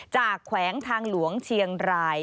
แขวงทางหลวงเชียงราย